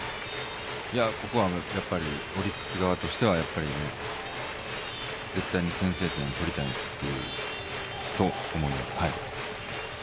ここはやっぱり、オリックス側としては絶対に先制点を取りたいと思います。